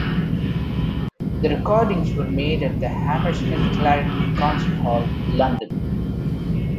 The recordings were made at the Hammersmith Clarendon concert hall, London.